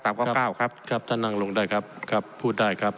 ข้อเก้าครับครับท่านนั่งลงได้ครับครับพูดได้ครับ